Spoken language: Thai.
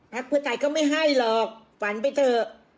พรรคพื้นไทยเขาไม่ให้หรอกฝันไปเถอะ